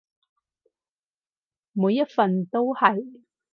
每一份都係